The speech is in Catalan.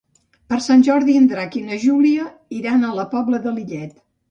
Per Sant Jordi en Drac i na Júlia iran a la Pobla de Lillet.